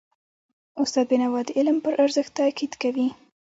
استاد بینوا د علم پر ارزښت تاکید کاوه.